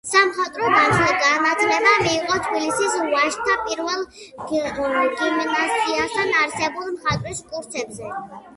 სამხატვრო განათლება მიიღო თბილისის ვაჟთა პირველ გიმნაზიასთან არსებულ მხატვრის კურსებზე.